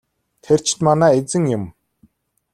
Тэр чинь манай эзэн юм.